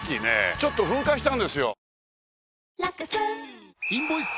ちょっと噴火したんですよ。